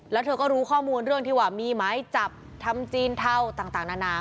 แล้วเธอก็รู้ข้อมูลเรื่องที่ว่ามีหมายจับทำจีนเท่าต่างนานา